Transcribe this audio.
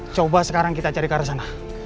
coba sekarang kita cari ke arah sana